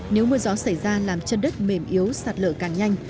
nếu mưa gió xảy ra làm chân đất mềm yếu sạt lở càng nhanh